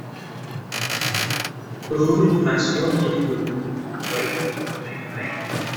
Krull nació y estudió en la escuela en Baden-Baden.